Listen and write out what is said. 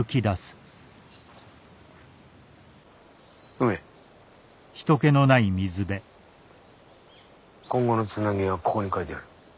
梅今後のつなぎはここに書いてある。